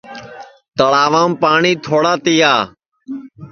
تݪاوام پاٹؔی تھوڑا تِیا